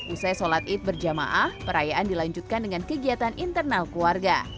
usai sholat id berjamaah perayaan dilanjutkan dengan kegiatan internal keluarga